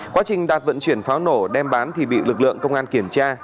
quá trình đạt vận chuyển pháo nổ đem bán thì bị lực lượng công an kiểm tra